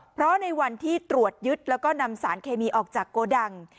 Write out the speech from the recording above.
เพราะในวันที่ตรวจยึดแล้วก็นำสารเคมีออกจากโกดัง